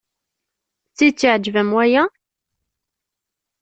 D tidet iɛjeb-am waya?